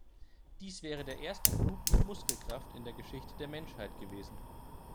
Dies wäre der erste Flug mit Muskelkraft in der Geschichte der Menschheit gewesen.